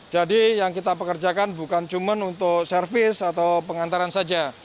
jadi yang kita pekerjakan bukan cuma untuk servis atau pengantaran saja